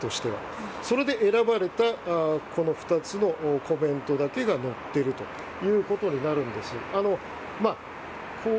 それで選ばれた２つのコメントだけが載っているということになるんです。